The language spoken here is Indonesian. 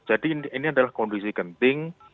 jadi ini adalah kondisi genting